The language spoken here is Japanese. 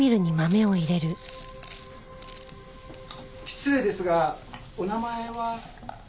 失礼ですがお名前は？